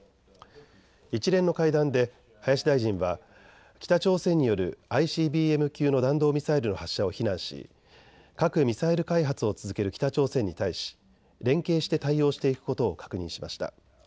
一連の会談で林大臣は北朝鮮によるＩＣＢＭ級の弾道ミサイルの発射を非難し核・ミサイル開発を続ける北朝鮮に対し連携して対応していくことを確認しました。